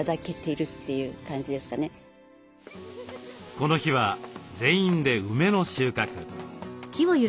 この日は全員で梅の収穫。